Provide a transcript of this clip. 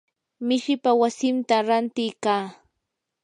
mishipaa wasitam ranti kaa.